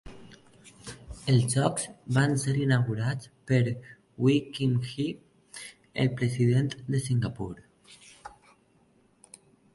Els jocs van ser inaugurats per Wee Kim Wee, el President de Singapur.